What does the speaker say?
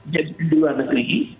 gaji kedua negeri